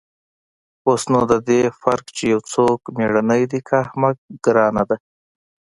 اوس نو د دې فرق چې يو څوک مېړنى دى که احمق گران ديه.